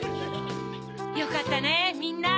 よかったねみんな！